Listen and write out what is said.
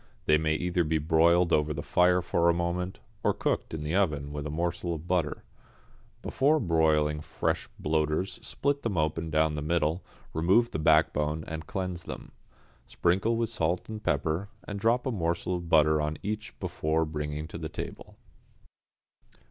They may either be broiled over the fire for a moment, or cooked in the oven with a morsel of butter. Before broiling fresh bloaters split them open down the middle, remove the backbone and cleanse them. Sprinkle with pepper and salt, and drop a morsel of butter on each before bringing to table.